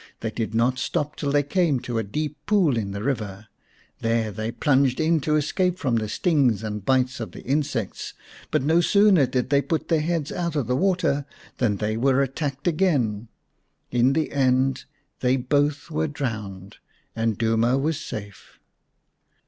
They did not stop till they came to a deep pool in the river. 128 x The Fairy Bird There they plunged in to escape from the stings and bites of the insects, but no sooner did they put their heads out of the water than they were attacked again. In the end they both were drowned and Duma was safe.